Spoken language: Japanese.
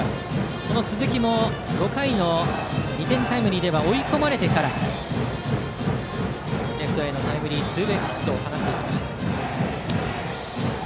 この鈴木も５回の２点タイムリーでは追い込まれてからレフトへのタイムリーツーベースヒット。